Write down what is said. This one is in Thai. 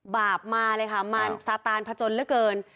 บาปมาเลยค่ะมาซาตานผจญเหลือเกิน